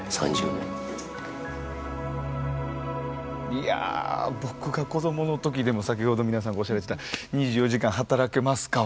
いや僕が子どもの時でも先ほど皆さんがおっしゃられてた２４時間働けますかは。